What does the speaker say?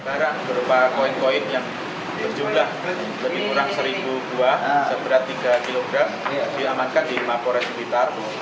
barang berupa koin koin yang berjumlah lebih kurang satu buah seberat tiga kg diamankan di mapores blitar